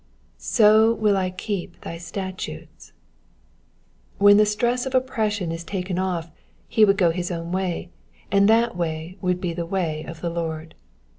^^8o will I keep thy statutes.''^ When the stress of oppression was taken oft he would go his own way, and that way would be the way of the Lord.